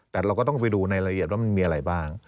แต่เราก็ต้องไปดูในละเอียดว่ามันมีอะไรบ้าง